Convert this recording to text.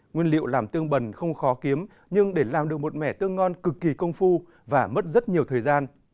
nguyên liệu làm tương bần không khó kiếm nhưng để làm được một mẻ tương ngon cực kỳ công phu và mất rất nhiều thời gian